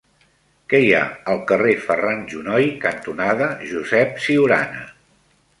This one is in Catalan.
Què hi ha al carrer Ferran Junoy cantonada Josep Ciurana?